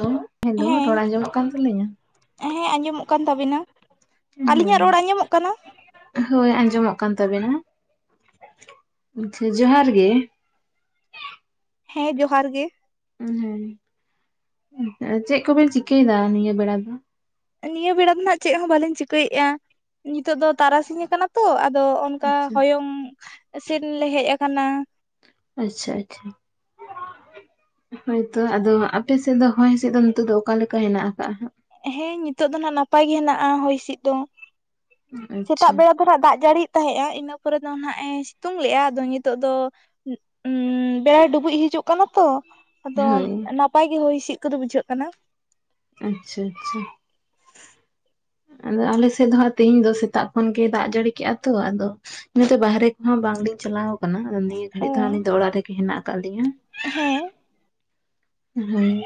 Hello hello ᱨᱚᱲ ᱦᱮᱸ, ᱟᱸᱡᱚᱢᱚᱜ ᱠᱟᱱ ᱛᱟᱹᱞᱤᱧᱟ? ᱦᱮᱸ, ᱟᱸᱡᱚᱢᱚᱜ ᱠᱟᱱ ᱛᱟᱵᱤᱱᱟ, ᱦᱳᱭ ᱟᱞᱤᱧᱟᱜ ᱨᱚᱲ ᱟᱡᱚᱢᱚᱜ ᱠᱟᱱᱟ? ᱦᱳᱭ ᱟᱸᱡᱚᱢᱚᱜ ᱠᱟᱱ ᱛᱟᱵᱮᱱᱟ, ᱟᱪᱪᱷᱟ ᱡᱚᱦᱟᱨ ᱜᱮ, ᱦᱮᱸ ᱡᱚᱦᱟᱨ ᱜᱮ, ᱦᱮᱸ ᱪᱮᱫ ᱠᱚᱵᱮᱱ ᱪᱤᱠᱟᱹᱭᱮᱫᱟ ᱱᱤᱭᱟᱹ ᱵᱮᱲᱟ ᱫᱚ? ᱱᱤᱭᱟᱹ ᱵᱮᱲᱟ ᱫᱚ ᱱᱟᱜ ᱪᱮᱫ ᱦᱚᱸ ᱵᱟᱞᱤᱧ ᱪᱤᱠᱟᱹᱭᱮᱫᱼᱟ ᱱᱤᱛᱚᱜ ᱫᱚ ᱛᱟᱨᱟᱥᱤᱧ ᱟᱠᱟᱱᱟ ᱛᱚ ᱟᱫᱚ ᱚᱱᱠᱟ ᱟᱪᱪᱷᱟ ᱦᱚᱭᱚᱝ ᱥᱮᱱ ᱞᱮ ᱦᱮᱡ ᱟᱠᱟᱱᱟ᱾ ᱟᱪᱪᱷᱟ, ᱟᱪᱪᱷᱟ, ᱦᱳᱭᱛᱚ, ᱟᱫᱚ ᱟᱯᱮ ᱥᱮᱫ ᱫᱚ ᱦᱚᱭ ᱦᱤᱸᱥᱤᱫ ᱫᱚ ᱱᱤᱛᱳᱜ ᱫᱚ ᱚᱠᱟᱞᱮᱠᱟ ᱦᱮᱱᱟᱜ ᱟᱠᱟᱜᱼᱟ ᱦᱟᱸᱜ? ᱦᱮᱸ ᱱᱤᱛᱚᱜ ᱫᱚ ᱱᱟᱦᱟᱜ ᱱᱟᱯᱟᱭ ᱜᱮ ᱦᱮᱱᱟᱜᱼᱟ ᱦᱚᱭ ᱦᱤᱸᱥᱤᱫ ᱫᱚ᱾ ᱥᱮᱛᱟᱜ ᱟᱪᱪᱷᱟ ᱵᱮᱲᱟ ᱫᱚ ᱦᱟᱸᱜ ᱫᱟᱜ ᱡᱟᱹᱲᱤᱭᱮᱫ ᱛᱟᱦᱮᱸᱜᱼᱟ ᱤᱱᱟᱹ ᱯᱚᱨᱮ ᱫᱚ ᱦᱟᱸᱜ ᱮ ᱥᱤᱛᱩᱝ ᱞᱮᱜᱼᱟ᱾ ᱟᱫᱚ ᱱᱤᱛᱚᱜ ᱫᱚ ᱩᱹ ᱵᱮᱲᱟᱭ ᱰᱩᱵᱩᱡ ᱦᱤᱡᱩᱜ ᱠᱟᱱᱟ ᱛᱚ, ᱟᱫᱚ ᱦᱳᱭ ᱱᱟᱯᱟᱭ ᱜᱮ ᱦᱚᱭ ᱦᱤᱥᱤᱫ ᱠᱚᱫᱚ ᱵᱩᱡᱷᱟᱹᱜ ᱠᱟᱱᱟ᱾ ᱟᱪᱪᱷᱟ, ᱟᱪᱪᱷᱟ, ᱟᱫᱚ ᱟᱞᱮ ᱥᱮᱫ ᱫᱚᱜ ᱦᱟᱸᱜ ᱛᱮᱦᱤᱧ ᱫᱚ ᱥᱮᱛᱟᱜ ᱠᱷᱚᱱ ᱜᱮ ᱫᱟᱜ ᱡᱟᱹᱲᱤ ᱠᱮᱫᱼᱟ ᱛᱚ, ᱟᱫᱚ ᱤᱱᱟ ᱛᱮ ᱵᱟᱦᱨᱮ ᱠᱚᱦᱚᱸ ᱵᱟᱝᱞᱤᱧ ᱪᱟᱞᱟᱣ ᱟᱠᱟᱱᱟ᱾ ᱱᱤᱭᱟᱹ ᱚ ᱜᱷᱟᱹᱲᱤᱡ ᱫᱚ ᱦᱟᱸᱜ ᱟᱹᱞᱤᱧ ᱫᱚ ᱚᱲᱟᱜ ᱨᱮᱜᱮ ᱦᱮᱱᱟᱜ ᱟᱠᱟᱫ ᱞᱤᱧᱟ᱾ ᱦᱮᱸ, ᱦᱮᱸ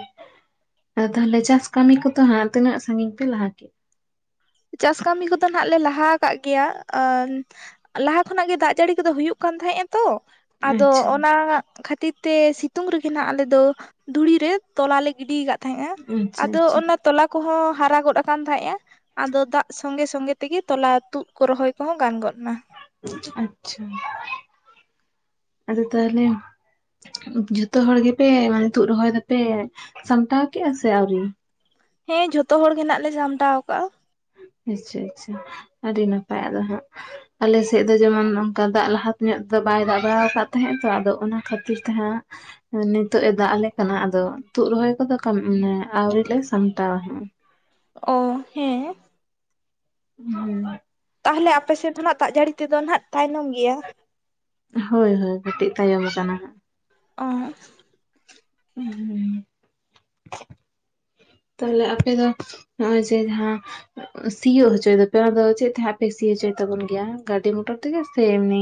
ᱟᱫᱚ ᱛᱟᱦᱚᱞᱮ ᱪᱟᱥ ᱠᱟᱹᱢᱤ ᱠᱚᱫᱚ ᱦᱟᱸᱜ ᱛᱤᱱᱟᱹᱜ ᱥᱟᱺᱜᱤᱧ ᱯᱮ ᱞᱟᱦᱟ ᱠᱮᱫ? ᱪᱟᱥ ᱠᱟᱹᱢᱤ ᱠᱚᱫᱚ ᱱᱟᱸᱜ ᱞᱮ ᱞᱟᱦᱟ ᱟᱠᱟᱫ ᱜᱮᱭᱟ ᱟᱨ ᱞᱟᱦᱟ ᱠᱷᱚᱱᱟᱜ ᱜᱮ ᱫᱟᱜ ᱡᱟᱹᱲᱤ ᱠᱚᱫᱚ ᱦᱩᱭᱩᱜ ᱠᱟᱱ ᱛᱟᱦᱮᱸᱜᱼᱟ ᱛᱚ ᱟᱫᱚ ᱟᱪᱪᱷᱟ ᱚᱱᱟ ᱠᱷᱟᱹᱛᱤᱨ ᱛᱮ ᱥᱤᱛᱩᱝ ᱨᱮᱜᱮ ᱱᱟᱜ ᱟᱞᱮ ᱫᱚ ᱫᱷᱩᱲᱤ ᱨᱮ ᱛᱚᱞᱟ ᱞᱮ ᱜᱤᱰᱤ ᱟᱠᱟᱫ ᱛᱟᱦᱮᱸᱜᱼᱟ᱾ ᱟᱪᱪᱷᱟ ᱟᱫᱚ ᱚᱱᱟ ᱛᱚᱞᱟ ᱠᱚᱦᱚᱸ ᱦᱟᱨᱟ ᱜᱚᱫ ᱟᱠᱟᱱ ᱛᱟᱦᱮᱸᱜᱼᱟ, ᱟᱫᱚ ᱫᱟᱜ ᱥᱚᱸᱜᱮ ᱥᱚᱸᱜᱮ ᱛᱮᱜᱮ ᱛᱚᱞᱟ ᱛᱩᱫ ᱠᱚ ᱨᱚᱦᱚᱭ ᱠᱚᱦᱚᱸ ᱜᱟᱱ ᱜᱚᱫ ᱱᱟ᱾ ᱟᱪᱪᱷᱟ ᱟᱫᱚ ᱛᱟᱦᱚᱞᱮ ᱡᱷᱚᱛᱚ ᱦᱚᱲ ᱜᱮᱯᱮ ᱢᱟᱱᱮ ᱛᱩᱫ ᱨᱚᱦᱚᱭ ᱫᱟᱯᱮ ᱥᱟᱢᱴᱟᱣ ᱠᱮᱜᱼᱟ ᱥᱮ ᱟᱹᱣᱨᱤ? ᱦᱮᱸ ᱡᱷᱚᱛᱚ ᱦᱚᱲ ᱜᱮ ᱱᱟᱜ ᱞᱮ ᱥᱟᱢᱴᱟᱣ ᱠᱟᱜᱼᱟ᱾ ᱮᱪᱪᱷᱟ ᱮᱪᱪᱷᱟ ᱟᱹᱰᱤ ᱱᱟᱯᱟᱭ ᱟᱫᱚ ᱦᱟᱸᱜ ᱟᱞᱮ ᱥᱮᱫ ᱫᱚ ᱡᱮᱢᱚᱱ ᱚᱱᱠᱟ ᱫᱟᱜ ᱞᱟᱦᱟᱛᱮ ᱧᱚᱜ ᱫᱚ ᱵᱟᱭ ᱫᱟᱜ ᱵᱟᱲᱟ ᱟᱠᱟᱫ ᱛᱟᱦᱮᱸᱜ ᱛᱚ ᱟᱫᱚ ᱚᱱᱟ ᱠᱷᱟᱹᱛᱤᱨ ᱛᱮᱦᱟᱸᱜ ᱱᱤᱛᱚᱜᱜ ᱮ ᱫᱟᱜ ᱟᱞᱮ ᱠᱟᱱᱟ ᱟᱫᱚ ᱛᱩᱫ ᱨᱚᱦᱚᱭ ᱠᱚᱫᱚ ᱠᱟᱢ ᱢᱟᱱᱮ ᱟᱹᱣᱨᱤᱞ ᱞᱮ ᱥᱟᱢᱴᱟᱣᱟ᱾ ᱚ, ᱦᱮᱸ, ᱦᱩᱸ, ᱛᱟᱦᱚᱞᱮ ᱟᱯᱮᱥᱮᱫ ᱫᱚᱱᱦᱟᱜ ᱫᱟᱜ ᱡᱟᱹᱲᱤ ᱛᱮᱫᱚ ᱱᱟᱜ ᱛᱟᱭᱱᱚᱢ ᱜᱮᱭᱟ? ᱦᱳᱭ, ᱦᱳᱭ, ᱠᱟᱹᱴᱤᱡ ᱛᱟᱭᱚᱢ ᱠᱟᱱᱟ ᱦᱟᱸᱜ᱾ ᱚ, ᱦᱩᱸ, ᱦᱩᱸ, ᱛᱟᱦᱞᱮ ᱟᱯᱮ ᱫᱚ ᱱᱚᱜᱼᱚᱭ ᱡᱮ ᱡᱟᱦᱟᱸ ᱥᱤᱭᱳ ᱦᱚᱪᱚᱭ ᱫᱚᱯᱮ ᱟᱫᱚ ᱪᱮᱫ ᱛᱮ ᱦᱟᱜᱯᱮ ᱥᱤ ᱦᱚᱪᱚᱭ ᱛᱟᱵᱚᱱ ᱜᱮᱭᱟ ᱜᱟᱹᱰᱤ ᱢᱚᱴᱚᱨ ᱛᱮᱜᱮ ᱥᱮ ᱮᱢᱱᱤ?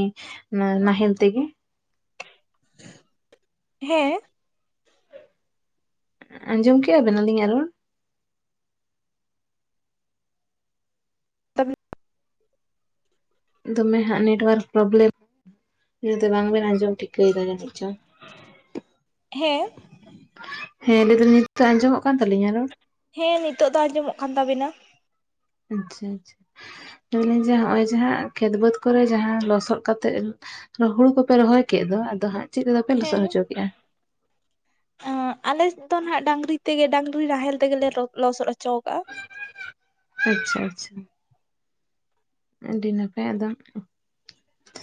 ᱱᱟ ᱱᱟᱦᱮᱞ ᱛᱮᱜᱮ? ᱦᱮᱸ, ᱟᱸᱡᱚᱢ ᱠᱮᱜ-ᱟ ᱵᱮᱱ ᱟᱞᱤᱧ ᱟᱜ ᱨᱚᱲ? [unintelligible] ᱫᱚᱢᱮ ᱦᱟᱸᱜ ᱱᱮᱴᱣᱟᱨᱠ ᱯᱨᱚᱵᱞᱮᱢ, ᱤᱱᱟᱹᱛᱮ ᱵᱟᱝ ᱵᱮᱱ ᱟᱸᱡᱚᱢ ᱴᱷᱤᱠᱟᱹᱭᱮᱫᱟ ᱡᱟᱹᱱᱤᱡ ᱪᱚᱝ ᱦᱮᱸ, ᱦᱮᱸ ᱞᱟᱹᱭ ᱫᱟᱞᱤᱧ ᱱᱤᱛᱚᱜ ᱟᱸᱡᱚᱢᱚᱜ ᱠᱟᱱ ᱛᱟᱹᱞᱤᱧᱟ ᱨᱚᱲ? ᱦᱮᱸ ᱱᱤᱛᱚᱜ ᱫᱚ ᱟᱸᱡᱚᱢᱚᱜ ᱠᱟᱱ ᱛᱟᱵᱤᱱᱟ᱾ ᱟᱪᱪᱷᱟ, ᱟᱪᱪᱷᱟ, ᱢᱮᱱᱫᱟᱹᱧ ᱡᱮ ᱱᱚᱜᱼᱚᱭ ᱡᱟᱦᱟᱸ ᱠᱷᱮᱛ ᱵᱟᱹᱫᱽ ᱠᱚᱨᱮ ᱡᱟᱦᱟᱸ ᱞᱚᱥᱚᱫ ᱠᱟᱛᱮᱜ ᱦᱩᱬᱩ ᱠᱚᱯᱮ ᱨᱚᱦᱚᱭ ᱠᱮᱫ ᱫᱚ ᱟᱫᱚ ᱦᱟᱸᱜ ᱪᱮᱫ ᱛᱮᱫᱚ ᱯᱮ ᱞᱚᱥᱚᱫ ᱦᱮᱸ, ᱦᱚᱪᱚ ᱠᱮᱜᱼᱟ ᱟᱞᱮ ᱫᱚ ᱱᱟᱜ ᱰᱟᱝᱨᱤ ᱛᱮᱜᱮ ᱰᱟᱝᱨᱤ ᱱᱟᱦᱮᱞ ᱛᱮᱜᱮ ᱞᱮ ᱞᱚ ᱞᱚᱥᱚᱫ ᱦᱚᱪᱚ ᱟᱠᱟᱫᱼᱟ᱾ ᱟᱪᱪᱷᱟ, ᱟᱪᱪᱷᱟ᱾ ᱟᱹᱰᱤ ᱱᱟᱯᱟᱭ ᱟᱫᱚ᱾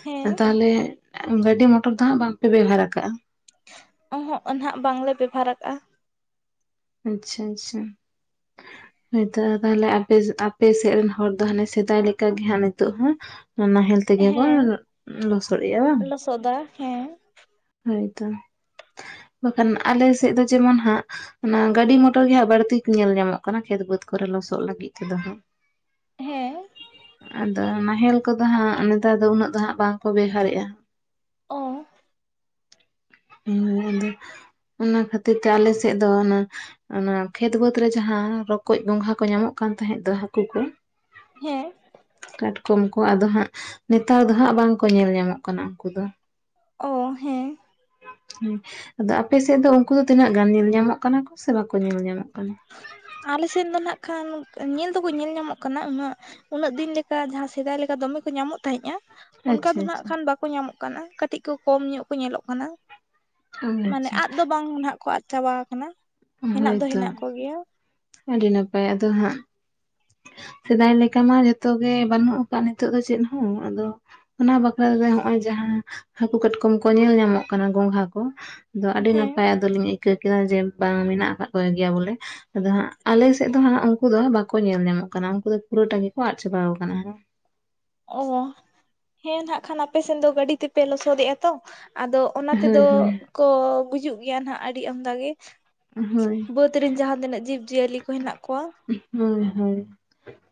ᱦᱮᱸ ᱟᱫᱚ ᱛᱟᱦᱚᱞᱮᱼᱼ ᱜᱟᱹᱰᱤ ᱢᱚᱴᱚᱨ ᱫᱚ ᱦᱟᱸᱜ ᱵᱟᱝᱯᱮ ᱵᱮᱣᱦᱟᱨ ᱟᱠᱟᱜᱼᱟ᱾ ᱚᱸ ᱦᱚᱜ ᱱᱟᱦᱟᱜ ᱵᱟᱝᱞᱮ ᱵᱮᱵᱷᱟᱨ ᱟᱠᱟᱜᱼᱟ᱾ ᱟᱪᱪᱷᱟ, ᱟᱪᱪᱷᱟ᱾ ᱦᱳᱭᱛᱚ, ᱛᱟᱦᱚᱞᱮ ᱟᱯᱮ, ᱟᱯᱮ ᱥᱮᱫ ᱨᱮᱱ ᱦᱚᱲ ᱫᱚ ᱦᱟᱱᱮ ᱥᱮᱫᱟᱭ ᱞᱮᱠᱟ ᱜᱮ ᱦᱟᱸᱜ ᱱᱤᱛᱚᱜ ᱦᱚᱸ᱾ ᱱᱟᱦᱮᱞ ᱛᱮᱜᱮ ᱠᱚ ᱦᱮᱸ ᱞᱚᱥᱚᱫ ᱮ ᱟ ᱵᱟᱝ᱾ [unintelligible] ᱦᱮᱸ ᱦᱳᱭᱛᱚ, ᱵᱟᱠᱷᱟᱱ ᱟᱞᱮ ᱥᱮᱫ ᱫᱚ ᱡᱮᱢᱚᱱ ᱦᱟᱸᱜᱼᱼ ᱚᱱᱟ ᱜᱟᱹᱰᱤ ᱢᱚᱴᱚᱨ ᱜᱮ ᱦᱟᱸᱜ ᱵᱟᱹᱲᱛᱤ ᱧᱮᱞ ᱧᱟᱢᱚᱜ ᱠᱟᱱᱟ᱾ ᱠᱷᱮᱛ ᱵᱟᱹᱫᱽ ᱠᱚᱨᱮ ᱞᱚᱥᱚᱜ ᱞᱟᱹᱜᱤᱫ ᱛᱮᱫᱚ ᱦᱟᱸᱜ᱾ ᱦᱮᱸ᱾ ᱟᱫᱚ ᱱᱟᱦᱮᱞ ᱠᱚᱫᱚ ᱦᱟᱸᱜ, ᱱᱮᱛᱟᱨ ᱫᱚ ᱩᱱᱟᱹᱜ ᱫᱚ ᱦᱟᱸᱜ ᱵᱟᱝᱠᱚ ᱵᱮᱣᱦᱟᱨᱮᱜᱼᱟ᱾ ᱚ᱾ ᱦᱩᱸ ᱟᱫᱚ ᱾ ᱚᱱᱟ ᱠᱷᱟᱹᱛᱤᱨ ᱛᱮ ᱟᱞᱮ ᱥᱮᱫ ᱫᱚ ᱚᱱᱟᱼᱼ ᱚᱱᱟ ᱠᱷᱮᱛ ᱵᱟᱹᱫᱽ ᱨᱮ ᱡᱟᱦᱟᱸ ᱾ ᱨᱚᱠᱚᱡ ᱜᱚᱝᱜᱷᱟ ᱠᱚ ᱧᱟᱢᱚᱜ ᱠᱟᱱ ᱛᱟᱦᱮᱸᱫ ᱫᱚ, ᱦᱟᱹᱠᱩ ᱠᱚ᱾ ᱦᱮᱸ ᱠᱟᱴᱠᱚᱢ ᱠᱚ ᱾ ᱠᱚ ᱟᱫᱚ ᱦᱟᱸᱜ᱾ ᱱᱮᱛᱟᱨ ᱫᱚ ᱦᱟᱸᱜ ᱵᱟᱝᱠᱚ ᱧᱮᱞ ᱧᱟᱢᱚᱜ ᱠᱟᱱᱟ ᱩᱱᱠᱩ ᱫᱚ᱾ ᱚ ᱦᱮᱸ᱾ ᱦᱮᱸ, ᱟᱫᱚ ᱟᱯᱮ ᱥᱮᱫ ᱫᱚ ᱩᱱᱠᱩ ᱫᱚ ᱛᱤᱱᱟᱹᱜ ᱜᱟᱱ? ᱧᱮᱞ ᱧᱟᱢᱚᱜ ᱠᱟᱱᱟ ᱠᱚ ᱥᱮ ᱵᱟᱠᱚ ᱧᱮᱞ ᱧᱟᱢᱚᱜ ᱠᱟᱱᱟ᱾ ᱟᱞᱮ ᱥᱮᱫ ᱫᱚ ᱱᱟᱜ ᱠᱷᱟᱱ ᱧᱮᱞ ᱫᱚᱠᱚ ᱧᱮᱞ ᱧᱟᱢᱚᱜ ᱠᱟᱱᱟ᱾ ᱩᱱᱟᱹᱜᱼᱼ ᱩᱱᱟᱹᱜ ᱫᱤᱱ ᱞᱮᱠᱟ ᱡᱟᱦᱟᱸ ᱥᱮᱫᱟᱭ ᱞᱮᱠᱟ ᱫᱚᱢᱮ ᱠᱚ ᱧᱟᱢᱚᱜ ᱛᱟᱦᱮᱸᱫᱼᱟ᱾ ᱚᱱᱠᱟ ᱟᱪᱪᱷᱟ ᱫᱚ ᱱᱟᱜ ᱟᱪᱪᱷᱟ ᱠᱷᱟᱱ ᱵᱟᱠᱚ ᱧᱟᱢᱚᱜ ᱠᱟᱱᱟ ᱾ᱠᱟᱹᱴᱤᱡ ᱠᱚ ᱠᱚᱢ ᱧᱚᱜ ᱠᱚ ᱧᱮᱞᱚᱜ ᱠᱟᱱᱟ᱾ ᱢᱟᱱᱮ ᱟᱪᱪᱷᱟ ᱟᱫ ᱫᱚ ᱵᱟᱝ ᱱᱟᱦᱟᱜ ᱠᱚ ᱟᱫ ᱪᱟᱵᱟ ᱠᱟᱱᱟ ᱾ ᱦᱮᱱᱟᱜ ᱫᱚ ᱦᱳᱭᱛᱚ ᱦᱮᱱᱟᱜ ᱠᱚ ᱜᱮᱭᱟ᱾ ᱟᱹᱰᱤ ᱱᱟᱯᱟᱭ ᱟᱫᱚ ᱦᱟᱸᱜᱼᱼ ᱥᱮᱫᱟᱭ ᱞᱮᱠᱟ ᱢᱟ ᱡᱚᱛᱚᱜ ᱜᱮ ᱵᱟᱹᱱᱩᱜ ᱟᱠᱟᱫ ᱱᱤᱛᱚᱜ ᱫᱚ ᱪᱮᱫ ᱦᱚᱸ᱾ ᱟᱫᱚᱼᱼ ᱚᱱᱟ ᱵᱟᱠᱷᱨᱟᱛᱮ ᱦᱚᱜᱼᱚᱭ ᱡᱟᱦᱟᱸ ᱦᱟᱹᱠᱩ ᱠᱟᱴᱠᱚᱢ ᱠᱚ ᱧᱮᱞ ᱧᱟᱢᱚᱜ ᱠᱟᱱᱟ᱾ ᱜᱚᱝᱜᱷᱟ ᱠᱚ᱾ ᱟᱫᱚ ᱟᱹᱰᱤ ᱦᱮᱸ ᱱᱟᱯᱟᱭ ᱟᱫᱚ ᱞᱤᱧ ᱟᱹᱭᱠᱟᱹᱣ ᱠᱮᱫᱟ ᱡᱮ, ᱵᱟᱝ ᱢᱮᱱᱟᱜ ᱟᱠᱟᱫ ᱠᱚ ᱜᱮᱭᱟ ᱵᱚᱞᱮ᱾ ᱟᱫᱚ ᱦᱟᱸᱜ᱾ ᱟᱞᱮ ᱥᱮᱫ ᱫᱚ ᱦᱟᱸᱜ ᱩᱱᱠᱩ ᱫᱚ ᱵᱟᱠᱚ ᱧᱮᱞ ᱧᱟᱢᱚᱜ ᱠᱟᱱᱟ᱾ ᱩᱱᱠᱩ ᱫᱚ ᱯᱩᱨᱟᱹᱴᱟ ᱜᱮᱠᱚ ᱟᱫ ᱪᱟᱵᱟᱣ ᱠᱟᱱᱟ ᱟᱨᱦᱚᱸ ᱾ ᱚ, ᱦᱮᱸ ᱱᱟᱜ ᱠᱷᱟᱱ ᱟᱯᱮ ᱥᱮᱱ ᱫᱚ ᱜᱟᱹᱰᱤ ᱛᱮᱯᱮ ᱞᱚᱥᱚᱫᱮᱜᱼᱟ ᱛᱚ᱾ ᱟᱫᱚᱼᱼ ᱚᱱᱟ ᱦᱳᱭ ᱛᱮᱫᱚ ᱦᱳᱭ ᱠᱚ ᱜᱩᱡᱩᱜ ᱜᱮᱭᱟ ᱱᱟᱜ ᱟᱹᱰᱤ ᱟᱢᱫᱟ ᱜᱮ᱾ ᱦᱳᱭ᱾ [unintelligible] ᱡᱟᱦᱟᱸ ᱛᱤᱱᱟᱹᱜ ᱡᱤᱵᱽᱼᱡᱤᱭᱟᱹᱞᱤ ᱠᱚ ᱦᱮᱱᱟᱜ ᱠᱚᱣᱟ᱾ ᱦᱳᱭ, ᱦᱳᱭ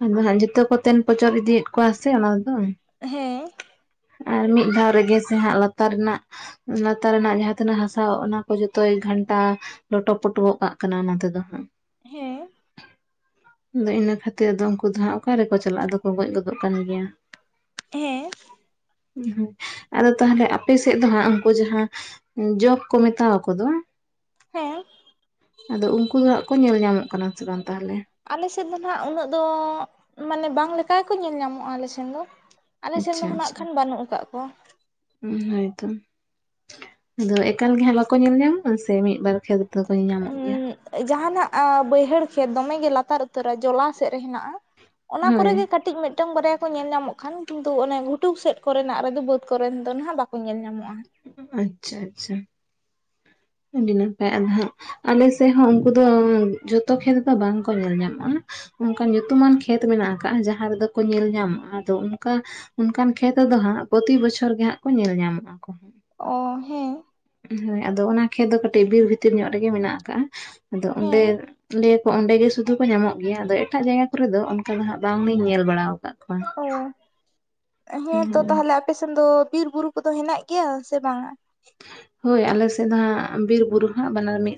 ᱟᱫᱚ ᱦᱟᱜ ᱡᱚᱛᱚ ᱠᱚ ᱛᱮᱱ ᱯᱚᱪᱚᱨ ᱤᱫᱤᱭᱮᱫ ᱠᱚᱣᱟ ᱥᱮ ᱚᱱᱟ ᱛᱮᱫᱚ᱾ ᱦᱮᱸ᱾ ᱟᱨ ᱢᱤᱫ ᱫᱷᱟᱣ ᱨᱮᱜᱮ ᱥᱮ ᱦᱟᱸᱜ ᱞᱟᱛᱟᱨ ᱨᱮᱱᱟᱜᱼᱼ ᱞᱟᱛᱟᱨ ᱨᱮᱱᱟᱜ ᱡᱟᱦᱟᱸ ᱛᱤᱱᱟᱹᱜ ᱦᱟᱥᱟ ᱚᱱᱟ ᱠᱚ ᱡᱷᱚᱛᱚᱭ ᱜᱷᱟᱱᱴᱟᱼᱼ ᱞᱚᱴᱚᱯᱚᱴ ᱜᱚᱜ ᱠᱟᱜ [unintelligible] ᱠᱟᱱᱟ ᱚᱱᱟ ᱛᱮᱫᱚ ᱦᱟᱸᱜ ᱾ ᱦᱮᱸ᱾ ᱟᱫᱚ ᱤᱱᱟᱹ ᱠᱷᱟᱹᱛᱤᱨ ᱫᱚ ᱩᱱᱠᱩ ᱫᱚ ᱦᱟᱸᱜ ᱚᱠᱟᱨᱮ ᱠᱚ ᱪᱟᱞᱟᱜᱼᱟ ᱾ ᱟᱫᱚ ᱠᱚ ᱜᱚᱡ ᱜᱚᱫᱚᱜ ᱠᱟᱱ ᱜᱮᱭᱟ᱾ ᱦᱮᱸ᱾ ᱦᱚᱸ, ᱟᱫᱚ ᱛᱟᱦᱚᱞᱮ ᱟᱯᱮ ᱥᱮᱡ ᱫᱚ ᱦᱟᱸᱜ ᱩᱱᱠᱩ ᱡᱟᱦᱟᱸ ᱡᱚᱠ ᱠᱚ ᱢᱮᱛᱟᱣ ᱠᱚ ᱫᱚ᱾ ᱦᱮᱸ᱾ ᱟᱫᱚ ᱩᱱᱠᱩ ᱫᱚ ᱦᱟᱸᱜ ᱠᱚ ᱧᱮᱞ ᱧᱟᱢᱚᱜ ᱠᱟᱱᱟ ᱥᱮ ᱵᱟᱝ ᱛᱟᱦᱚᱞᱮ? ᱟᱞᱮ ᱥᱮᱫ ᱫᱚ ᱦᱟᱸᱜ ᱩᱱᱟᱹᱜ, ᱫᱚ ᱢᱟᱱᱮ ᱵᱟᱝ ᱞᱮᱠᱟ ᱜᱮ ᱠᱚ ᱧᱮᱞ ᱧᱟᱢᱚᱜᱼᱟ ᱟᱞᱮ ᱥᱮᱱ ᱫᱚ᱾ ᱟᱞᱮ ᱥᱮᱱ ᱟᱪᱪᱷᱟ ᱫᱚ [unintelligible] ᱱᱟᱜ ᱠᱷᱟᱱ ᱵᱟᱹᱱᱩᱜ ᱟᱠᱟᱜ ᱠᱚᱣᱟ᱾ ᱦᱳᱭᱛᱚ ᱟᱫᱚ ᱮᱠᱟᱞ ᱜᱮ ᱦᱟᱸᱜ ᱵᱟᱠᱚ ᱧᱮᱞ ᱧᱟᱢᱟ ᱥᱮ ᱢᱤᱫ ᱵᱟᱨ ᱠᱷᱮᱛᱼᱼ ᱛᱚ ᱠᱚ ᱧᱟᱢᱚᱜ ᱜᱮᱭᱟ? ᱡᱟᱦᱟᱱᱟᱜ ᱵᱟᱹᱭᱦᱟᱹᱲ ᱠᱷᱮᱛ ᱫᱚᱢᱮ ᱜᱮ ᱞᱟᱛᱟᱨ ᱩᱛᱟᱹᱨᱟ ᱡᱚᱞᱟ ᱥᱮᱫ ᱨᱮ ᱦᱮᱱᱟᱜᱼᱟ᱾ ᱚᱱᱟ ᱦᱳᱭ ᱠᱚᱨᱮᱜᱮ ᱠᱟᱹᱴᱤᱡ ᱢᱤᱫᱼᱼ ᱢᱤᱫᱴᱟᱝ ᱵᱟᱨᱭᱟ ᱠᱚ ᱧᱮᱞ ᱧᱟᱢᱚᱜ ᱠᱷᱟᱱ ᱠᱤᱱᱛᱩ ᱚᱱᱮ ᱜᱷᱩᱴᱩ ᱥᱮᱫ ᱠᱚᱨᱮᱱᱟᱜ ᱨᱮᱫᱚ ᱵᱟᱹᱫᱽ ᱠᱚᱨᱮᱱ ᱫᱚ ᱦᱟᱜ ᱵᱟᱠᱚ ᱧᱮᱞ ᱧᱟᱢᱚᱜᱼᱟ᱾ ᱟᱪᱪᱷᱟ, ᱟᱪᱪᱷᱟ ᱟᱹᱰᱤ ᱱᱟᱯᱟᱭ ᱟᱫᱚ ᱦᱟᱸᱜᱼᱼ ᱟᱞᱮ ᱥᱮᱫ ᱦᱚᱸ ᱩᱱᱠᱩ ᱫᱚ ᱡᱚᱛᱚ ᱠᱷᱮᱛ ᱫᱚ ᱵᱟᱝᱠᱚ ᱧᱮᱞ ᱧᱟᱢᱚᱜᱼᱟ᱾ ᱚᱱᱠᱟᱱ ᱧᱩᱛᱩᱢᱟᱱ ᱠᱷᱮᱛ ᱢᱮᱱᱟᱜ ᱟᱠᱟᱫᱼᱟ ᱡᱟᱦᱟᱸ ᱨᱮᱫᱚ ᱠᱚ ᱧᱮᱞ ᱧᱟᱢᱚᱜᱼᱟ ᱟᱫᱚ ᱚᱱᱠᱟᱼᱼ ᱚᱱᱠᱟᱱ ᱠᱷᱮᱛ ᱨᱮᱫᱚ ᱦᱟᱸᱜ ᱯᱨᱚᱛᱤ ᱵᱚᱪᱷᱚᱨ ᱜᱮ ᱦᱟᱸᱜ ᱠᱚ ᱧᱮᱞ ᱧᱟᱢᱚᱜᱼᱟ ᱠᱚᱼᱼ ᱚᱻ ᱦᱮᱸᱼᱼ ᱦᱮ ᱟᱫᱚ ᱚᱱᱟ ᱠᱷᱮᱛ ᱫᱚ ᱠᱟᱹᱴᱤᱡ ᱵᱤᱨ ᱵᱷᱤᱛᱤᱨ ᱧᱚᱜ ᱨᱮᱜᱮ ᱢᱮᱱᱟᱜ ᱟᱠᱟᱜᱼᱟ ᱟᱫᱚ ᱚᱸᱰᱮᱼᱼ ᱦᱮᱸ ᱞᱟᱹᱭᱟ ᱠᱚ ᱚᱸᱰᱮ ᱜᱮ ᱥᱩᱫᱷᱩ ᱠᱚ ᱧᱟᱢᱚᱜ ᱜᱮᱭᱟ ᱟᱫᱚ ᱮᱴᱟᱜ ᱡᱟᱭᱜᱟ ᱠᱚᱨᱮ ᱫᱚ ᱚᱱᱠᱟ ᱫᱚ ᱦᱟᱜ ᱵᱟᱝᱞᱤᱧ ᱧᱮᱞ ᱵᱟᱲᱟ ᱟᱠᱟᱫ ᱠᱚᱣᱟ᱾ ᱚ ᱦᱮᱸ ᱛᱚ ᱦᱳᱭ ᱛᱟᱦᱚᱞᱮ ᱟᱯᱮ ᱥᱮᱱ ᱫᱚ ᱵᱤᱨ ᱵᱩᱨᱩ ᱠᱚᱫᱚ ᱦᱮᱱᱟᱜ ᱜᱮᱭᱟ ᱥᱮ ᱵᱟᱝᱼᱟ? ᱦᱳᱭ ᱟᱞᱮ ᱥᱮᱫ ᱫᱚ ᱦᱟᱸᱜ ᱵᱤᱨ ᱵᱩᱨᱩ ᱦᱟᱸᱜ ᱵᱟᱱᱟᱨ ᱢᱤᱜ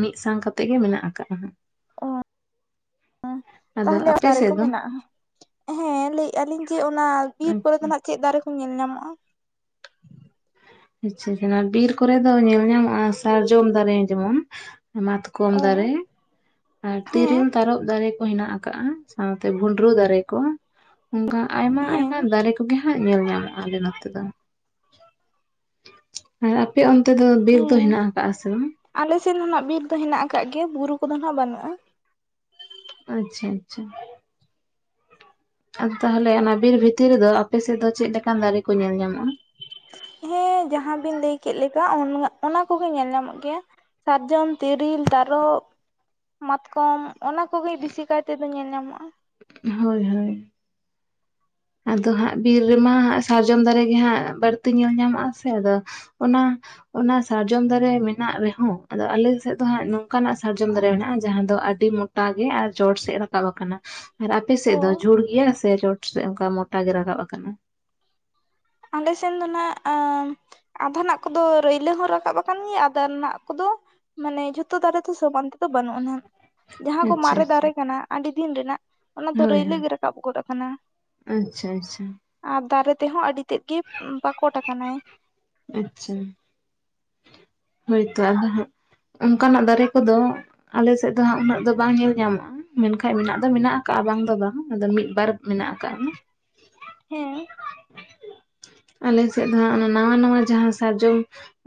ᱢᱤᱜ ᱥᱟᱝ ᱠᱟᱛᱮᱫ ᱜᱮ ᱢᱮᱱᱟᱜ ᱟᱠᱟᱜᱼᱟ ᱦᱟᱸᱜᱼᱼ ᱚᱻ ᱟᱫᱚ ᱛᱟᱦᱚᱞᱮ ᱟᱯᱮ ᱫᱟᱨᱮ ᱠᱚ ᱥᱮᱫ ᱫᱚ ᱢᱮᱱᱟᱜᱼᱟ ᱦᱮᱸ ᱞᱟᱹᱭᱮᱜᱼᱟ ᱞᱤᱧ ᱡᱮ ᱚᱱᱟ ᱵᱤᱨ ᱠᱚᱨᱮ ᱫᱚ ᱦᱟᱸᱜᱼᱼ ᱪᱮᱫ ᱫᱟᱨᱮ ᱠᱚ ᱧᱮᱞ ᱧᱟᱢᱚᱜᱼᱟ? ᱟᱪᱪᱷᱟ ᱵᱤᱨ ᱠᱚᱨᱮ ᱫᱚ ᱧᱮᱞ ᱧᱟᱢᱚᱜᱼᱟ ᱥᱟᱨᱡᱚᱢ ᱫᱟᱨᱮ ᱡᱮᱢᱚᱱ ᱢᱟᱛᱼᱼ ᱚ ᱠᱚᱢ ᱫᱟᱨᱮᱼᱼ ᱟᱨ ᱦᱮᱸ ᱛᱤᱨᱤᱞ ᱛᱟᱨᱚᱯ ᱫᱟᱨᱮ ᱠᱚ ᱦᱮᱱᱟᱜ ᱟᱠᱟᱜᱼᱟ ᱥᱟᱶᱛᱮ ᱵᱷᱩᱸᱰᱨᱩ ᱫᱟᱨᱮ ᱠᱚᱼᱼ ᱚᱱᱠᱟ ᱟᱭᱢᱟ ᱦᱮᱸ ᱟᱭᱢᱟ ᱫᱟᱨᱮ ᱠᱚᱼᱼ ᱠᱚᱜᱮ ᱦᱟᱸᱜ ᱧᱮᱞ ᱧᱟᱢᱚᱜᱼᱟ ᱟᱞᱮ ᱱᱚᱛᱮ ᱫᱚ᱾ ᱟᱨ ᱟᱯᱮ ᱚᱱᱛᱮ ᱫᱚ ᱵᱤᱨ ᱫᱚ ᱦᱮᱱᱟᱜ ᱟᱠᱟᱜ ᱥᱮ ᱵᱟᱝ? ᱟᱞᱮᱥᱮᱱ ᱦᱚᱸ ᱱᱟᱜ ᱵᱤᱨ ᱫᱚ ᱦᱮᱱᱟᱜ ᱟᱠᱟᱫ ᱜᱮᱭᱟ ᱵᱩᱨᱩ ᱠᱚᱫᱚ ᱱᱟᱜ ᱵᱟᱹᱱᱩᱜᱼᱟ᱾ ᱟᱪᱪᱷᱟ ᱟᱪᱪᱷᱟ᱾ ᱟᱨ ᱛᱟᱦᱚᱞᱮ ᱚᱱᱟ ᱵᱤᱨ ᱵᱷᱤᱛᱤᱨ ᱨᱮ ᱫᱚ ᱟᱯᱮ ᱥᱮᱫ ᱫᱚ ᱪᱮᱫ ᱞᱮᱠᱟᱱ ᱫᱟᱨᱮ ᱠᱚ ᱧᱮᱞ ᱧᱟᱢᱚᱜᱼᱟ? ᱦᱮᱸ, ᱡᱟᱦᱟᱸ ᱵᱤᱱ ᱞᱟᱹᱭ ᱠᱮᱫ ᱞᱮᱠᱟ, ᱚᱱᱟ ᱠᱚᱜᱮ ᱧᱮᱞ ᱧᱟᱢᱚᱜ ᱜᱮᱭᱟ᱾ ᱥᱟᱨᱡᱚᱢ, ᱛᱮᱤᱨᱤᱞ, ᱛᱟᱨᱚᱯ, ᱢᱟᱛᱠᱚᱢ ᱚᱱᱟ ᱠᱚᱜᱮ ᱵᱮᱥᱤ ᱠᱟᱹᱭᱛᱮ ᱫᱚ ᱧᱮᱞ ᱧᱟᱢᱚᱜᱼᱟ ᱾ ᱦᱳᱭ ᱦᱳᱭ᱾ ᱟᱫᱚ ᱦᱟᱸᱜ ᱵᱤᱨ ᱨᱮᱢᱟᱜ ᱥᱟᱨᱡᱚᱢ ᱫᱟᱨᱮ ᱜᱮ ᱦᱟᱸᱜ ᱵᱟᱹᱲᱛᱤ ᱧᱮᱞ ᱧᱟᱢᱚᱜᱼᱟ ᱥᱮ, ᱟᱫᱚ ᱚᱱᱟᱼᱼ ᱚᱱᱟ ᱥᱟᱨᱡᱚᱢ ᱫᱟᱨᱮ ᱢᱮᱱᱟᱜ ᱨᱮᱦᱚᱸ ᱟᱫᱚ ᱟᱞᱮ ᱥᱮᱫ ᱫᱚ ᱦᱟᱸᱜ ᱱᱚᱝᱠᱟᱱᱟᱜ ᱥᱟᱨᱡᱚᱢ ᱫᱟᱨᱮ ᱢᱮᱱᱟᱜᱼᱟ ᱡᱟᱦᱟᱸ ᱫᱚ ᱟᱹᱰᱤ ᱢᱚᱼᱼ ᱢᱚᱴᱟ ᱜᱮ ᱟᱨ ᱪᱚᱴ ᱥᱮᱫ ᱨᱟᱠᱟᱵ ᱟᱠᱟᱱᱟ᱾ ᱟᱨ ᱟᱯᱮ ᱚ ᱥᱮᱫ ᱫᱚ ᱡᱷᱩᱲ ᱜᱮᱭᱟ, ᱥᱮ ᱪᱚᱴ ᱥᱮᱫ ᱚᱱᱠᱟ ᱢᱚᱴᱟ ᱜᱮ ᱨᱟᱠᱟᱵ ᱟᱠᱟᱱᱟ᱾ ᱟᱞᱮ ᱥᱮᱱ ᱫᱚ ᱱᱟᱜ ᱮᱼᱼ ᱟᱫᱷᱟᱱᱟᱜ ᱠᱚᱫᱚ ᱨᱟᱹᱭᱞᱟᱹ ᱦᱚᱸ ᱨᱟᱠᱟᱵ ᱟᱠᱟᱱ ᱜᱮᱭᱟ, ᱟᱫᱷᱟᱱᱟᱜ ᱠᱚᱫᱚᱼᱼ ᱢᱟᱱᱮ ᱡᱷᱚᱛᱚ ᱫᱟᱨᱮ ᱫᱚ ᱥᱚᱢᱟᱱ ᱛᱮᱫᱚ ᱵᱟᱹᱱᱩᱜᱼᱟ ᱱᱟᱜ᱾ ᱡᱟᱦᱟᱸ ᱠᱚ ᱟᱪᱪᱷᱟ ᱢᱟᱨᱮ ᱟᱪᱪᱷᱟ ᱫᱟᱨᱮ ᱠᱟᱱᱟ, ᱟᱹᱰᱤ ᱫᱤᱱ ᱨᱮᱱᱟᱜ ᱚᱱᱟ ᱫᱚ ᱦᱳᱭ ᱨᱟᱹᱭᱞᱟᱹ ᱦᱳᱭ ᱜᱮ ᱨᱟᱠᱟᱵ ᱜᱚᱫ ᱟᱠᱟᱱᱟ᱾ ᱟᱪᱪᱷᱟ ᱟᱪᱪᱷᱟ ᱾ ᱟᱨ ᱫᱟᱨᱮ ᱛᱮᱦᱚᱸ ᱟᱹᱰᱤ ᱛᱮᱫ ᱜᱮ ᱯᱟᱠᱚᱴ ᱟᱠᱟᱱᱟᱭ᱾ ᱟᱪᱪᱷᱟ ᱾ ᱦᱳᱭᱛᱳ ᱟᱫᱚ ᱦᱟᱸᱜ ᱚᱱᱠᱟᱱᱟᱜ ᱫᱟᱨᱮ ᱠᱚᱫᱚ ᱟᱞᱮ ᱥᱮᱫ ᱫᱚ ᱦᱟᱸᱜ ᱩᱱᱟᱹᱜ ᱫᱚ ᱵᱟᱝ ᱧᱮᱞ ᱧᱟᱢᱚᱜᱼᱟ᱾ ᱢᱮᱱ ᱠᱷᱟ ᱢᱮᱱᱟᱜ ᱫᱚ ᱢᱮᱱᱟᱜ ᱟᱠᱟᱟᱜᱼᱟ, ᱵᱟᱝ ᱫᱚ ᱵᱟᱝ ᱟᱫᱚ ᱢᱤᱫᱵᱟᱨ ᱢᱮᱱᱟᱜ ᱟᱠᱟᱜ᱾ ᱦᱮᱸ᱾ ᱟᱞᱮ ᱥᱮᱫ ᱫᱚ ᱦᱟᱸᱜ, ᱚᱱᱟ ᱱᱟᱣᱟ ᱱᱟᱣᱟ ᱡᱟᱦᱟᱸ ᱥᱟᱨᱡᱚᱢ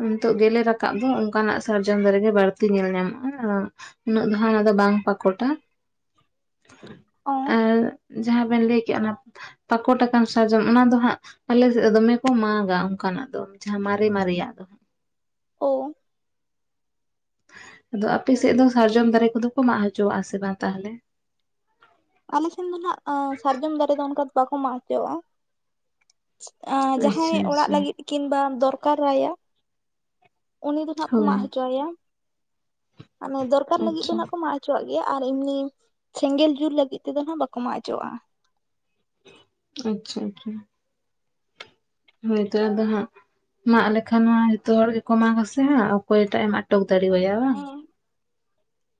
ᱱᱤᱛᱚᱜ ᱜᱮᱞᱮ ᱨᱟᱠᱟᱵ ᱨᱟᱠᱟᱵ ᱫᱚ, ᱚᱱᱠᱟ ᱱᱟᱜ ᱥᱟᱨᱡᱚᱢ ᱫᱟᱨᱮ ᱜᱮ ᱵᱟᱹᱲᱛᱤ ᱧᱮᱞ ᱧᱟᱢᱚᱜᱼᱟ ᱾ ᱩᱱᱟᱹᱜ ᱫᱚ ᱦᱟᱸᱜ ᱫᱚ ᱵᱟᱝ ᱯᱟᱠᱚᱴᱟ ᱚ ᱾ ᱟᱨ ᱡᱟᱦᱟᱸ ᱵᱮᱱ ᱞᱟᱹᱭ ᱠᱮᱜᱼᱟ ᱚᱱᱟ, ᱯᱟᱠᱚᱴ ᱟᱠᱟᱱ ᱥᱟᱨᱡᱚᱢ ᱚᱱᱟ ᱫᱚ ᱦᱟᱸᱜ ᱟᱞᱮ ᱥᱮᱫ ᱫᱚᱢᱮ ᱠᱚ ᱢᱟᱜᱟ ᱚᱱᱠᱟ ᱱᱟᱜ ᱫᱚ, ᱡᱟᱦᱟᱸ ᱢᱟᱨᱮ ᱢᱟᱨᱮᱭᱟᱜ ᱫᱚ ᱾ ᱳ ᱾ ᱟᱫᱚ ᱟᱯᱮ ᱥᱮᱫ ᱫᱚ ᱥᱟᱨᱡᱚᱢ ᱫᱟᱨᱮ ᱠᱚᱫᱚ ᱠᱚ ᱢᱟᱜ ᱦᱚᱪᱚᱣᱟᱜ ᱟ ᱥᱮ ᱵᱟᱝ ᱛᱟᱦᱚᱞᱮ? ᱟᱞᱮ ᱥᱮᱱ ᱫᱚ ᱱᱟᱦᱟᱜ, ᱥᱟᱨᱡᱚᱢ ᱫᱟᱨᱮ ᱫᱚ ᱚᱱᱠᱟ ᱫᱚ ᱵᱟᱠᱚ ᱢᱟᱜ ᱦᱚᱪᱚᱣᱟᱜᱼᱟ ᱾ ᱮ ᱡᱟᱦᱟᱸᱭ ᱟᱪᱪᱷᱟ ᱚᱲᱟᱜ ᱟᱪᱪᱷᱟ ᱞᱟᱹᱜᱤᱫ ᱠᱤᱝᱵᱟ ᱫᱚᱨᱠᱟᱨᱟᱭᱟ, ᱩᱱᱤ ᱫᱚ ᱦᱟᱸᱜ ᱠᱚ ᱦᱳᱭ ᱢᱟᱜ ᱦᱚᱪᱚ ᱟᱭᱟ ᱾ ᱢᱟᱱᱮ ᱫᱚᱨᱠᱟᱨ ᱞᱟᱹᱜᱤᱫ ᱫᱚ ᱟᱪᱪᱷᱟ ᱱᱟᱷᱜ ᱠᱚ ᱢᱟᱜ ᱦᱚᱪᱚᱣᱟᱜ ᱜᱮᱭᱟ, ᱟᱨ ᱮᱢᱱᱤ ᱥᱮᱸᱜᱮᱞ ᱡᱩᱞ ᱞᱟᱹᱜᱤᱫ ᱛᱮᱫᱚ ᱦᱟᱸᱜ ᱵᱟᱠᱚ ᱢᱟᱜ ᱦᱚᱪᱚᱣᱟᱜᱼᱟ᱾ ᱟᱪᱪᱷᱟ ᱜᱮᱭᱟ ᱾ ᱦᱚᱭᱛᱳ ᱟᱫᱚ ᱦᱟᱸᱜ, ᱢᱟᱜ ᱞᱮᱠᱷᱟᱱ ᱢᱟ ᱡᱚᱛᱚ ᱦᱚᱲ ᱜᱮ ᱠᱚ ᱢᱟᱜ ᱟᱥᱮ ᱦᱟᱸᱜ ᱾ ᱠᱚᱭ ᱴᱟᱜ ᱮᱢ ᱟᱸᱴᱚᱠ ᱫᱟᱲᱮᱭᱟ ᱵᱟᱝ? ᱦᱮᱸ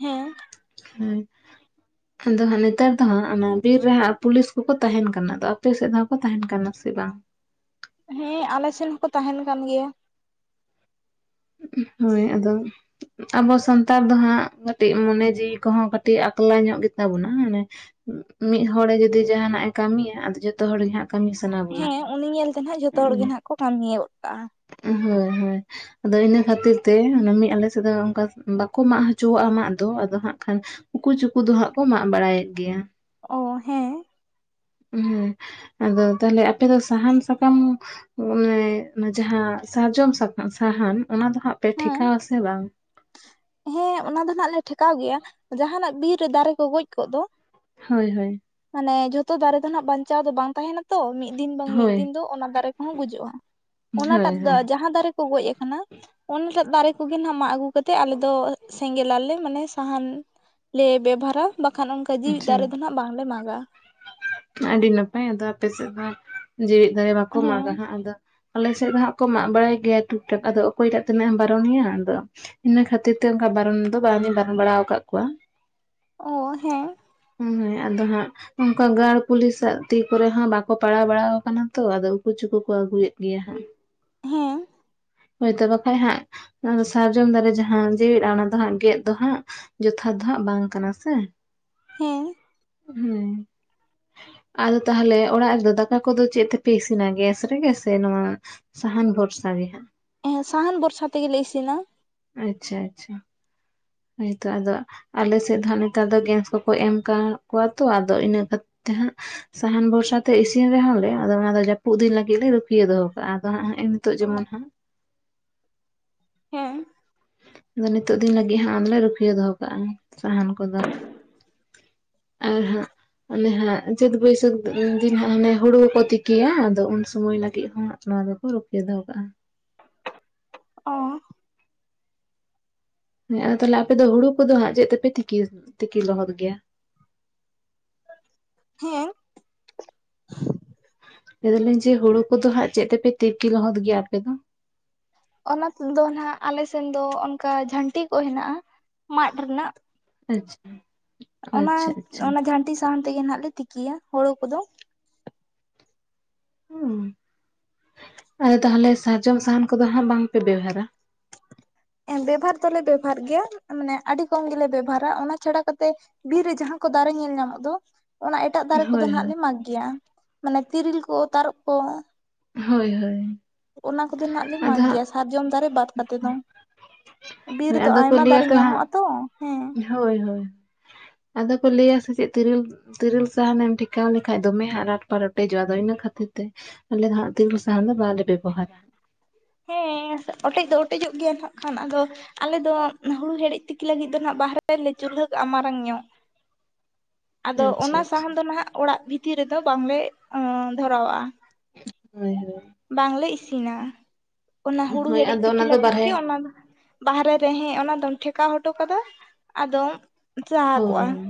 ᱦᱮᱸ ᱦᱮᱸ ᱾ [inaudible] ᱟᱫᱚ ᱦᱟᱸᱜ ᱱᱮᱛᱟᱨ ᱫᱚ ᱦᱟᱸᱜ ᱚᱱᱟ ᱵᱤᱨ ᱨᱮ ᱦᱟᱸᱜ ᱯᱩᱞᱤᱥ ᱠᱚᱠᱚ ᱛᱟᱦᱮᱱ ᱠᱟᱱᱟ᱾ ᱟᱫᱚ ᱟᱯᱮ ᱥᱮᱫ ᱦᱚᱸᱠᱚ ᱛᱟᱦᱮᱱ ᱠᱟᱱᱟ ᱥᱮ ᱵᱟᱝ? ᱦᱮᱸ, ᱟᱞᱮ ᱥᱮᱱ ᱦᱚᱸᱠᱚ ᱛᱟᱦᱮᱱ ᱠᱟᱱ ᱜᱮᱭᱟ ᱾ ᱦᱳᱭ, ᱟᱫᱚ ᱾ ᱟᱵᱚ ᱥᱟᱱᱛᱟᱲ ᱫᱚ ᱦᱟᱸᱜ, ᱠᱟᱹᱴᱤᱡ ᱢᱚᱱᱮ ᱡᱤᱣᱤ ᱠᱚᱦᱚᱸ ᱠᱟᱹᱴᱤᱡ ᱟᱸᱠᱞᱟ ᱧᱚᱜ ᱜᱮᱛᱟ ᱵᱚᱱᱟ᱾ ᱢᱟᱱᱮ ᱢᱤᱫ ᱦᱚᱲ ᱡᱩᱫᱤ ᱡᱟᱦᱟᱸᱱᱟᱜ ᱮ ᱠᱟᱹᱢᱤᱭᱟ, ᱟᱫᱚ ᱡᱚᱛᱚ ᱦᱚᱲ ᱜᱮ ᱦᱟᱸᱜ ᱠᱟᱹᱢᱤ ᱥᱟᱱᱟ ᱵᱚᱱᱟ᱾ ᱦᱮᱸ, ᱩᱱᱤ ᱧᱮᱞ ᱛᱮ ᱦᱟᱸᱜ ᱡᱷᱚᱛᱚ ᱦᱚᱲ ᱜᱮ ᱱᱟᱜ ᱠᱚ ᱠᱟᱹᱢᱤᱭᱚᱫ ᱠᱟᱜᱼᱟ᱾ ᱦᱳᱭ, ᱦᱳᱭ ᱾ ᱟᱫᱚ ᱤᱱᱟᱹ ᱠᱷᱟᱹᱛᱤᱨ ᱛᱮ ᱚᱱᱟ ᱢᱤᱫ ᱟᱞᱮ ᱥᱮᱫ ᱫᱚ ᱚᱱᱠᱟ ᱵᱟᱠᱚ ᱢᱟᱜ ᱦᱚᱪᱚᱣᱟᱜᱼᱟ ᱢᱟᱜ ᱫᱚ, ᱟᱫᱚ ᱦᱟᱸᱜ ᱠᱷᱟᱱ ᱩᱠᱩ ᱪᱩᱠᱩ ᱫᱚ ᱦᱟᱸᱜ ᱠᱚ ᱢᱟᱜ ᱵᱟᱲᱟᱭᱮᱫ ᱜᱮᱭᱟ ᱾ ᱚ, ᱦᱮᱸ ᱾ ᱦᱩᱸ, ᱟᱫᱚ ᱛᱟᱦᱚᱞᱮ ᱟᱯᱮ ᱫᱚ ᱥᱟᱦᱟᱱ ᱥᱟᱠᱟᱢ ᱚᱱᱮ ᱡᱟᱦᱟᱸ, ᱥᱟᱨᱡᱚᱢ ᱥᱟᱦᱟᱱ ᱚᱱᱟ ᱫᱚ ᱦᱟᱸᱜ ᱯᱮ ᱦᱮᱸ ᱴᱷᱮᱠᱟᱣ ᱟᱥᱮ ᱵᱟᱝ? ᱦᱮᱸ ᱚᱱᱟ ᱫᱚ ᱱᱟᱜᱞᱮ ᱴᱷᱮᱠᱟᱣ ᱜᱮᱭᱟ, ᱡᱟᱦᱟᱸᱱᱟᱜ ᱵᱤᱨ ᱨᱮ ᱫᱟᱨᱮ ᱠᱚ ᱜᱚᱡ ᱠᱚᱜ ᱫᱚ ᱾ ᱦᱳᱭ ᱦᱳᱭ ᱾ ᱢᱟᱱᱮ ᱡᱷᱚᱛᱚ ᱫᱟᱨᱮ ᱫᱚ ᱱᱟᱜ ᱵᱟᱧᱪᱟᱣ ᱫᱚ ᱵᱟᱝ ᱛᱟᱦᱮᱱᱟ ᱾ ᱛᱚ ᱢᱤᱫ ᱫᱤᱱ ᱵᱟᱝ ᱢᱤᱫ ᱦᱳᱭ ᱫᱤᱱ ᱫᱚ ᱚᱱᱟ ᱫᱟᱨᱮ ᱠᱚᱦᱚᱸ ᱜᱩᱡᱩᱜᱼᱟ᱾ ᱦᱳᱭ ᱚᱱᱟᱴᱟᱜ ᱫᱚ ᱦᱳᱭ ᱡᱟᱦᱟᱸ ᱫᱟᱨᱮ ᱠᱚ ᱜᱚᱡ ᱟᱠᱟᱱᱟ, ᱚᱱᱟᱴᱟᱜ ᱫᱟᱨᱮ ᱠᱚᱜᱮ ᱱᱟᱦᱟᱜ ᱢᱟᱜ ᱟᱹᱜᱩ ᱠᱟᱛᱮ ᱟᱞᱮ ᱫᱚ ᱥᱮᱸᱜᱮᱞ ᱟᱞᱮ ᱢᱟᱱᱮ ᱥᱟᱦᱟᱱ ᱞᱮ ᱵᱮᱵᱚᱦᱟᱨᱼᱟ, ᱵᱟᱠᱷᱟᱱ ᱚᱱᱠᱟ ᱡᱤᱣᱮᱫ ᱟᱪᱪᱷᱟ ᱫᱟᱨᱮ ᱫᱚ ᱱᱟᱜ ᱵᱟᱝᱞᱮ ᱢᱟᱜᱟ ᱾ ᱟᱹᱰᱤ ᱱᱟᱯᱟᱭ, ᱟᱫᱚ ᱟᱯᱮ ᱥᱮᱫ ᱫᱚ ᱡᱮᱣᱮᱫ ᱫᱟᱲᱮ ᱵᱟᱠᱚ ᱢᱟᱜᱟ ᱦᱮᱸ ᱦᱟᱸᱜ ᱟᱫᱚ ᱟᱞᱮ ᱥᱮᱫ ᱫᱚ ᱦᱟᱸᱜ ᱠᱚ ᱢᱟᱜ ᱵᱟᱲᱟᱭ ᱜᱮᱭᱟ ᱴᱩᱠ ᱴᱟᱠ᱾ ᱟᱫᱚ ᱚᱠᱚᱭᱴᱟᱜ ᱛᱤᱱᱟᱹᱜ ᱮᱢ ᱵᱟᱨᱚᱱᱮᱭᱟ ᱟᱫᱚ ᱤᱱᱟᱹ ᱠᱷᱟᱹᱛᱤᱨ ᱛᱮ ᱚᱱᱠᱟ ᱵᱟᱨᱚᱱ ᱫᱚ ᱵᱟᱝᱤᱧ ᱵᱟᱨᱚᱱ ᱵᱟᱲᱟ ᱟᱠᱟᱫ ᱠᱚᱣᱟ᱾ ᱳ, ᱦᱮᱸ᱾ ᱦᱩᱸ, ᱦᱳᱭ ᱟᱫᱚ ᱦᱟᱸᱜ ᱱᱚᱝᱠᱟ ᱜᱟᱲ ᱯᱩᱞᱤᱥᱟᱜ ᱛᱤ ᱠᱚᱨᱮ ᱦᱚᱸ ᱵᱟᱠᱚ ᱯᱟᱲᱟᱣ ᱵᱟᱲᱟ ᱟᱠᱟᱱᱟ ᱛᱚ, ᱟᱫᱚ ᱩᱠᱩ ᱪᱩᱠᱩ ᱠᱚ ᱟᱹᱜᱩᱭᱮᱫ ᱜᱮᱭᱟ ᱦᱟᱸᱜ ᱾ ᱦᱮᱸ ᱦᱳᱭᱛᱚ ᱵᱟᱠᱷᱟᱡ ᱦᱟᱸᱜ, ᱥᱟᱨᱡᱚᱢ ᱫᱟᱨᱮ ᱡᱟᱦᱟᱸ ᱡᱮᱣᱮᱫᱼᱟ ᱚᱱᱟ ᱫᱚ ᱦᱟᱸᱜ ᱜᱮᱫ ᱫᱚ ᱦᱟᱸᱜ ᱡᱚᱛᱷᱟᱛ ᱫᱚ ᱦᱟᱸᱜ ᱵᱟᱝ ᱠᱟᱱᱟ ᱥᱮ ᱾ ᱦᱮᱸ᱾ ᱦᱩᱸ᱾ ᱟᱫᱚ ᱛᱟᱦᱚᱞᱮ ᱚᱲᱟᱜ ᱨᱮᱫᱚ ᱫᱟᱠᱟ ᱠᱚᱫᱚ ᱪᱮᱫ ᱛᱮᱯᱮ ᱤᱥᱤᱱᱟ ᱜᱮᱥ ᱨᱮᱜᱮ ᱥᱮ ᱱᱚᱣᱟ ᱥᱟᱦᱟᱱ ᱵᱷᱚᱨᱥᱟ ᱜᱮ ᱦᱟᱸᱜ ᱦᱮᱸ ᱥᱟᱦᱟᱱ ᱵᱷᱚᱨᱥᱟ ᱛᱮᱜᱮ ᱞᱮ ᱤᱥᱤᱱᱟ᱾ ᱟᱪᱪᱷᱟ ᱟᱪᱪᱷᱟ᱾ ᱦᱚᱭ ᱛᱚ ᱟᱫᱚ ᱟᱞᱮ ᱥᱮᱫ ᱫᱚ ᱦᱟᱸᱜ ᱱᱮᱛᱟᱨ ᱫᱚ ᱜᱮᱥ ᱠᱚᱠᱚ ᱮᱢ ᱟᱠᱟ ᱠᱚᱣᱟ ᱛᱚ ᱟᱫᱚ ᱤᱱᱟᱹ ᱠᱟᱛᱮ ᱦᱟᱸᱜ ᱥᱟᱦᱟᱱ ᱵᱷᱚᱨᱥᱟ ᱛᱮ ᱤᱥᱤᱱ ᱨᱮᱦᱚᱸ ᱞᱮ ᱟᱫᱚ ᱚᱱᱟ ᱫᱚ ᱡᱟᱹᱯᱩᱫ ᱫᱤᱱ ᱞᱟᱹᱜᱤᱫ ᱞᱮ ᱨᱩᱠᱷᱤᱭᱟᱹ ᱫᱚᱦᱚ ᱠᱟᱜᱼᱟ ᱟᱫᱚ ᱦᱟᱸᱜ ᱱᱮᱜ ᱱᱤᱛᱳᱜ ᱚ ᱡᱮᱢᱚᱱ ᱦᱟᱸᱜ ᱦᱮᱸ᱾ ᱟᱫᱚ ᱱᱤᱛᱚᱜ ᱫᱤᱱ ᱞᱟᱹᱜᱤᱫ ᱦᱟᱸᱜ ᱟᱫᱚᱞᱮ ᱨᱩᱠᱷᱟᱭᱟᱹ ᱫᱚᱦᱚ ᱠᱟᱜᱼᱟ ᱥᱟᱦᱟᱱ ᱠᱚᱫᱚ ᱟᱨ ᱦᱟᱸᱜ ᱚᱱᱮ ᱦᱟᱸᱜ ᱪᱟᱹᱛ ᱵᱟᱹᱭᱥᱟᱹᱠᱷ ᱫᱤᱱ ᱦᱟᱸᱜ ᱦᱚᱱᱮ ᱦᱩᱲᱩ ᱦᱚᱸᱠᱚ ᱛᱤᱠᱤᱭᱟ ᱟᱫᱚ ᱩᱱ ᱥᱚᱢᱚᱭ ᱞᱟᱹᱜᱤᱫ ᱦᱚᱸᱜ ᱱᱚᱣᱟ ᱫᱚ ᱠᱚ ᱨᱩᱠᱷᱟ‌ᱹᱭᱟ ᱫᱚᱦᱚ ᱠᱟᱜᱼᱟ᱾ ᱚᱻ᱾ ᱦᱮᱸ ᱛᱟᱦᱞᱮ ᱟᱯᱮ ᱫᱚ ᱦᱩᱲᱩ ᱠᱚᱫᱚ ᱦᱟᱸᱜ ᱪᱮᱫ ᱛᱮᱯᱮ ᱛᱤᱠᱤ ᱛᱤᱠᱤ ᱞᱚᱦᱚᱫ ᱜᱮᱭᱟ? ᱦᱮᱸ᱾ ᱞᱟᱹᱭ ᱫᱟᱹᱞᱤᱧ ᱡᱮ ᱦᱩᱲᱩ ᱠᱚᱫᱚ ᱦᱟᱸᱜ ᱪᱮᱫ ᱛᱮᱯᱮ ᱛᱤᱠᱤ ᱞᱚᱦᱚᱫ ᱜᱮᱭᱟ ᱟᱯᱮ ᱫᱚ? ᱚᱱᱟ ᱠᱩ ᱫᱚ ᱦᱟᱸᱜ ᱟᱞᱮ ᱥᱮᱱ ᱫᱚ ᱚᱱᱠᱟ ᱡᱷᱟᱹᱱᱴᱤ ᱠᱚ ᱦᱮᱱᱟᱜ-ᱟ ᱢᱟᱫᱽ ᱨᱮᱱᱟᱜ ᱟᱪᱪᱷᱟ᱾ ᱚᱱᱟ ᱟᱪᱪᱷᱟ ᱟᱪᱪᱷᱟ ᱚᱱᱟ ᱡᱷᱟᱹᱱᱴᱤ ᱥᱟᱦᱟᱱ ᱛᱮᱜᱮ ᱱᱟᱜ ᱞᱮ ᱛᱤᱠᱤᱭᱟ ᱦᱳᱲᱩ ᱠᱚᱫᱚ ᱩᱻ ᱟᱫᱚ ᱛᱟᱦᱚᱞᱮ ᱥᱟᱨᱡᱚᱢ ᱥᱟᱦᱟᱱ ᱠᱚᱫᱚ ᱦᱟᱸᱜ ᱵᱟᱝ ᱯᱮ ᱵᱮᱣᱦᱟᱨᱟ? ᱦᱮ ᱵᱮᱵᱚᱦᱟᱨ ᱫᱚᱞᱮ ᱵᱮᱵᱚᱦᱟᱨ ᱜᱮᱭᱟ ᱢᱟᱱᱮ ᱟᱹᱰᱤ ᱠᱚᱢ ᱜᱮᱞᱮ ᱵᱮᱵᱚᱦᱟᱨᱟ ᱚᱱᱟ ᱪᱷᱟᱰᱟ ᱠᱟᱛᱮᱜ ᱵᱤᱨ ᱨᱮ ᱡᱟᱦᱟᱸ ᱠᱚ ᱫᱟᱨᱮ ᱧᱮᱞ ᱧᱟᱢᱚᱜ ᱫᱚ ᱚᱱᱟ ᱮᱴᱟᱜ ᱫᱟᱨᱮ ᱠᱚᱫᱚ ᱦᱳᱭ ᱱᱟᱜ ᱞᱮ ᱦᱳᱭ ᱢᱟᱜᱽ ᱜᱮᱭᱟ ᱢᱟᱱᱮ ᱛᱤᱨᱤᱞ ᱠᱚ ᱛᱟᱨᱚᱵ ᱠᱚ ᱦᱳᱭ ᱦᱳᱭ᱾ ᱚᱱᱟ ᱠᱚᱫᱚ ᱱᱟᱜ ᱞᱮ ᱟᱫᱚ ᱢᱟᱜᱽ ᱜᱮᱭᱟ ᱦᱟᱸᱜ ᱥᱟᱨᱡᱚᱢ ᱫᱟᱨᱮ ᱵᱟᱫ ᱠᱟᱛᱮ ᱫᱚ ᱵᱤᱨ ᱨᱮᱫᱚ ᱟᱫᱚ ᱠᱚ ᱟᱭᱢᱟ ᱞᱟᱹᱭᱟ ᱫᱟᱨᱮ ᱦᱟᱸᱜ ᱧᱟᱢᱚᱜ-ᱟ ᱛᱚ ᱦᱮᱸ ᱦᱳᱭ ᱦᱳᱭ ᱟᱫᱚ ᱠᱚ ᱞᱟᱹᱭᱟ ᱥᱮ ᱪᱮᱫ ᱛᱤᱨᱤᱞ ᱛᱮᱨᱮᱞ ᱥᱟᱦᱟᱱᱮᱢ ᱴᱷᱮᱠᱟᱣ ᱞᱮᱠᱷᱟᱡ ᱫᱚᱢᱮ ᱦᱟᱸᱜ ᱨᱟᱴ ᱯᱟᱨ ᱚᱴᱮᱡᱚᱜᱼᱟ ᱟᱫᱚ ᱤᱱᱟᱹ ᱠᱷᱟᱹᱛᱤᱨ ᱛᱮ ᱟᱞᱮ ᱦᱟᱜ ᱛᱤᱨᱤᱞ ᱥᱟᱦᱟᱱ ᱫᱚ ᱵᱟᱞᱮ ᱵᱮᱵᱚᱦᱟᱨᱟ᱾ ᱦᱮᱸ ᱚᱴᱮᱡ ᱫᱚ ᱚᱴᱮᱡᱚᱜ ᱜᱮᱭᱟ ᱱᱟᱜ ᱠᱷᱟᱱ ᱟᱫᱚ ᱟᱞᱮ ᱫᱚ ᱦᱩᱲᱩ ᱦᱮᱰᱮᱡ ᱛᱤᱠᱤ ᱞᱟᱹᱜᱤᱫ ᱫᱚ ᱱᱟᱜ ᱵᱟᱦᱨᱮ ᱨᱮᱞᱮ ᱪᱩᱞᱦᱟᱹ ᱠᱟᱜᱼᱟ ᱢᱟᱨᱟᱝ ᱧᱚᱜ ᱟᱫᱚ ᱟᱪᱪᱷᱟ ᱚᱱᱟ ᱟᱪᱪᱷᱟ ᱥᱟᱦᱟᱱ ᱫᱚ ᱱᱟᱦᱟᱜ ᱚᱲᱟᱜ ᱵᱷᱤᱛᱤᱨ ᱨᱮᱫᱚ ᱵᱟᱝᱞᱮ ᱫᱷᱚᱨᱟᱣᱟᱜᱼᱟ᱾ ᱦᱳᱭ ᱦᱳᱭ ᱵᱟᱝᱞᱮ ᱤᱥᱤᱱᱟ᱾ ᱚᱱᱟ ᱦᱩᱲᱩ ᱦᱳᱭ ᱦᱮᱰᱮᱡ ᱟᱫᱚ ᱛᱤᱠᱤ ᱚᱱᱟ ᱫᱚ ᱞᱟᱜᱤᱫ ᱵᱟᱨᱦᱮ ᱜᱮ ᱚᱱᱟ ᱵᱟᱦᱨᱮ ᱨᱮ ᱦᱮᱸ ᱚᱱᱟᱫᱚᱢ ᱴᱷᱮᱠᱟᱣ ᱦᱚᱴᱚ ᱠᱟᱫᱟ ᱟᱫᱚᱢ ᱪᱟᱦᱟ ᱦᱳᱭ ᱠᱚᱜᱼᱟ᱾ ᱦᱳᱭ